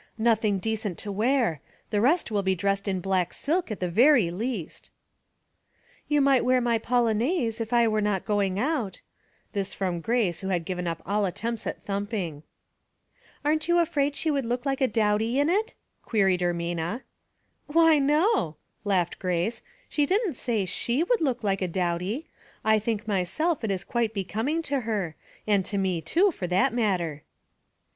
Nothing decent to wear. The rest will be dressed in black silk at the very least." 44 Household Puzzles, " You might wear my polonaise if I were not going out." This from Grace, who had given up all attempts at thumping. "Aren't you afraid she would look like a dowdy in it ?" queried Ermina. '' Why, no," laughed Grace. " She didn't say she would look like a dowdy. I think myself it is quite becoming to her ; and to me too, for that matter."